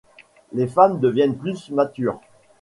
Les femmes deviennent plus matures.